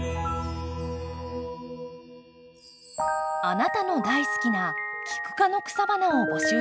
あなたの大好きなキク科の草花を募集します。